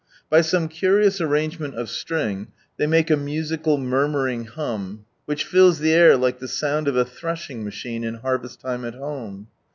By some curious arrangement of string, they make a musical mur muring hum, which fills the air, like the sound of a thrething machine in harvest time at home.